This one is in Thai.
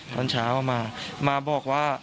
ตอนเช้ามามาบอกว่า